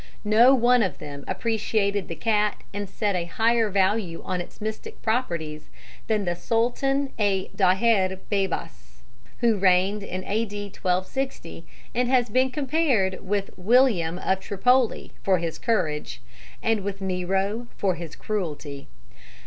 No one of them appreciated the cat and set a higher value on its mystic properties than the Sultan El Daher Beybas, who reigned in A.D. 1260, and has been compared with William of Tripoli for his courage, and with Nero for his cruelty.